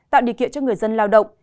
tạo địa kiệu cho người dân lao động